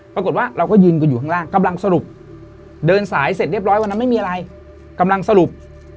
ปรากฏว่าเราก็ยืนกันอยู่ข้างล่างกำลังสรุป